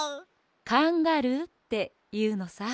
「カンガルー」っていうのさ。